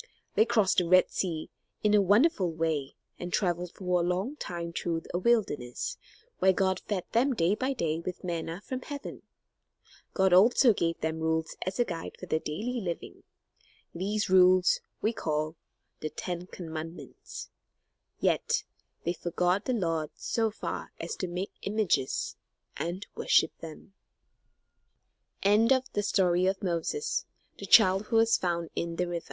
They crossed the Red Sea in a wonderful way, and traveled for a long time through a wilderness, where God fed them day by day with manna from heaven. God also gave them rules as a guide for their daily living; these rules we call the Ten Commandments; yet they forgot the Lord so far as to make images and worship